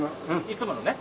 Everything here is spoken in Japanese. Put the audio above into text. いつものね。